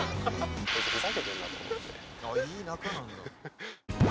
「ああいい仲なんだ」